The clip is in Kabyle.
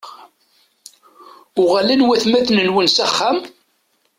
Uɣalen watmaten-nwen s axxam?